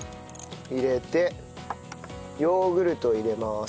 入れてヨーグルト入れます。